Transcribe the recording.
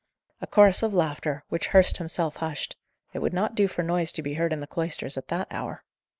A chorus of laughter, which Hurst himself hushed. It would not do for noise to be heard in the cloisters at that hour.